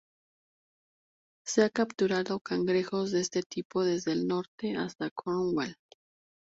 Se han capturado cangrejos de este tipo desde el norte hasta Cornwall.